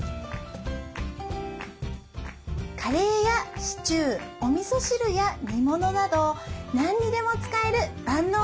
カレーやシチューおみそ汁や煮物など何にでも使える万能だしです。